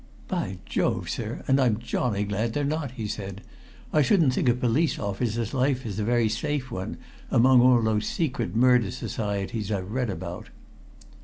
"By Jove, sir, and I'm jolly glad they're not!" he said. "I shouldn't think a police officer's life is a very safe one among all those secret murder societies I've read about."